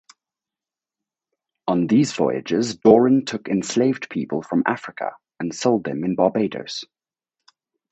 On these voyages Doran took enslaved people from Africa and sold them in Barbados.